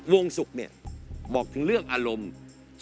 วงศุกร์เนี่ยบอกถึงเรื่องอารมณ์